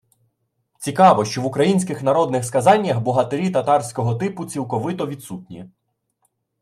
Цікаво, що в українських народних сказаннях богатирі татарського типу цілковито відсутні